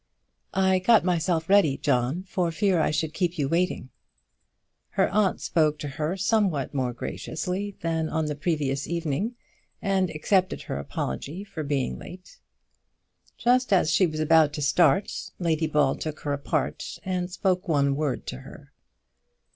"I got myself ready, John, for fear I should keep you waiting." Her aunt spoke to her somewhat more graciously than on the preceding evening, and accepted her apology for being late. Just as she was about to start Lady Ball took her apart and spoke one word to her.